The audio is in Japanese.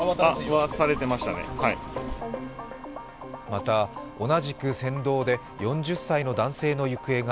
また、同じく船頭で４０歳の男性の行方が